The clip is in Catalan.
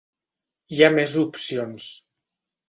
Hi ha més opcions.